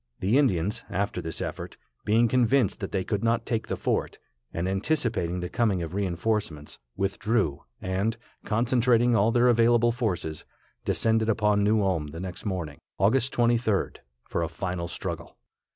The Indians, after this effort, being convinced that they could not take the fort, and anticipating the coming of reinforcements, withdrew, and, concentrating all their available forces, descended upon New Ulm the next morning, August 23d, for a final struggle.